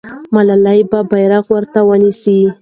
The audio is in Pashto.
ملالۍ به بیرغ ورته نیسي.